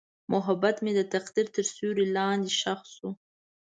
محبت مې د تقدیر تر سیوري لاندې ښخ شو.